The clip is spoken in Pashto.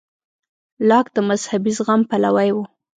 لاک د مذهبي زغم پلوی و.